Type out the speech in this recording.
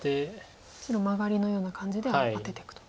白マガリのような感じでアテていくと。